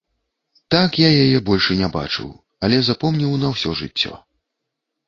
Так я яе больш і не бачыў, але запомніў на ўсё жыццё.